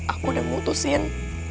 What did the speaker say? aku udah mutusin